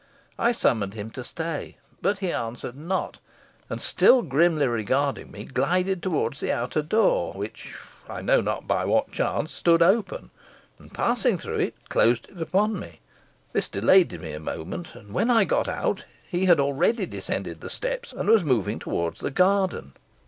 I summoned him to stay, but he answered not, and, still grimly regarding me, glided towards the outer door, which (I know not by what chance) stood open, and passing through it, closed it upon me. This delayed me a moment; and when I got out, he had already descended the steps, and was moving towards the garden.